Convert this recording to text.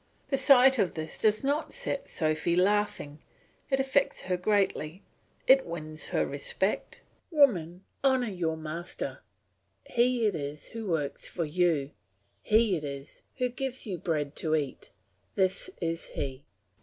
The sight of this does not set Sophy laughing; it affects her greatly; it wins her respect. Woman, honour your master; he it is who works for you, he it is who gives you bread to eat; this is he!